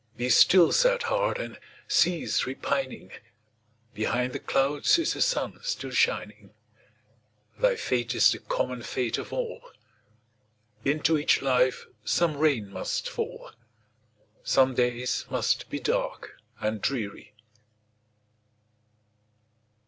Be still, sad heart! and cease repining; Behind the clouds is the sun still shining; Thy fate is the common fate of all, Into each life some rain must fall, Some days must be dark and dreary.